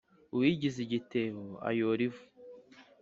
Uwigize igitebo ayora ivu.